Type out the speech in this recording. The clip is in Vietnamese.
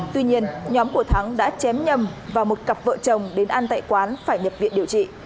tuy nhiên nhóm của thắng đã chém nhầm vào một cặp vợ chồng đến ăn tại quán phải nhập viện điều trị